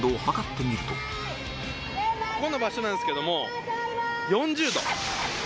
ここの場所なんですけども４０℃。